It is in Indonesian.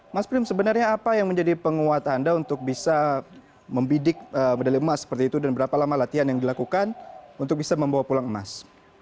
mas prim sebenarnya apa yang menjadi penguat anda untuk bisa membidik medali emas seperti itu dan berapa lama latihan yang dilakukan untuk bisa membawa pulang emas